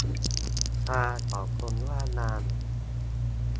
ชาของคนว่างงาน